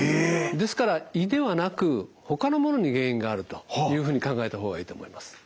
ですから胃ではなくほかのものに原因があるというふうに考えたほうがいいと思います。